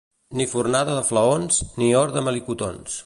Ni formada de flaons, ni hort de melicotons.